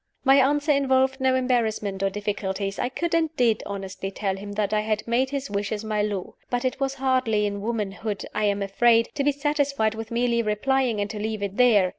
My answer involved no embarrassments or difficulties; I could and did honestly tell him that I had made his wishes my law. But it was hardly in womanhood, I am afraid, to be satisfied with merely replying, and to leave it there.